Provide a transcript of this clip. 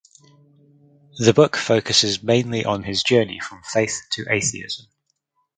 The book focuses mainly on his journey from faith to atheism.